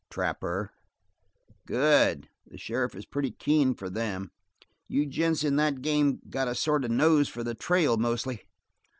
"Trapper." "Good! The sheriff is pretty keen for 'em. You gents in that game got a sort of nose for the trail, mostly.